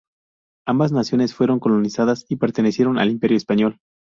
Ambas naciones fueron colonizadas y pertenecieron al Imperio español.